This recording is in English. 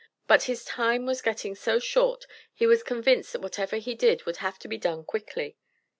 But his time was getting so short he was convinced that whatever he did would have to be done quickly.